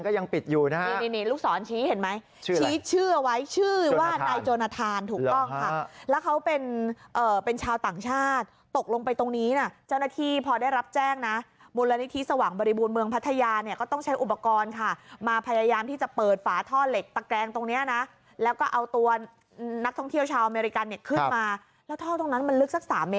โอ้โหโอ้โหโอ้โหโอ้โหโอ้โหโอ้โหโอ้โหโอ้โหโอ้โหโอ้โหโอ้โหโอ้โหโอ้โหโอ้โหโอ้โหโอ้โหโอ้โหโอ้โหโอ้โหโอ้โหโอ้โหโอ้โหโอ้โหโอ้โหโอ้โหโอ้โหโอ้โหโอ้โหโอ้โหโอ้โหโอ้โหโอ้โหโอ้โหโอ้โหโอ้โหโอ้โหโอ้โห